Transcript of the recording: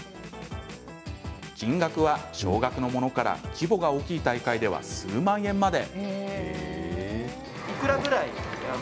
賞金は少額なものから規模が大きい大会では数万円まで。